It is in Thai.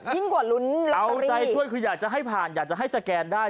ยิ่งกว่าลุ้นรักษรีเอาใจด้วยคืออยากจะให้ผ่านอยากจะให้สแกนได้